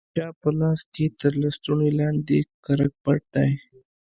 د چا په لاس کښې تر لستوڼي لاندې کرک پټ دى.